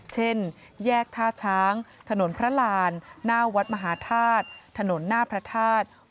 เช่นแยกท่าช้างถนนพระรานหน้าวัดมหาธาตุถนนหน้าพระธาตุ